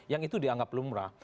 yang itu dianggap lumrah